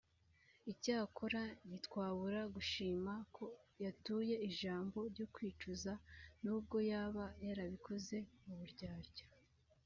Icyakora ntitwabura gushima ko yatuye ijambo ryo kwicuza nubwo yaba yarabikoze mu buryarya